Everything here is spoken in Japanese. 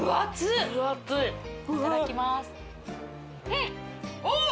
いただきますん！